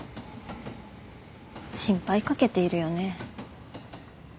心配かけているよね。